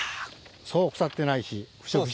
そう腐ってないし。